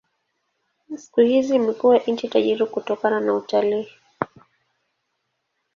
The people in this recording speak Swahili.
Siku hizi imekuwa nchi tajiri kutokana na utalii.